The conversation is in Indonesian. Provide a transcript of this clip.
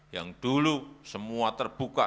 yang dulu semua terbuka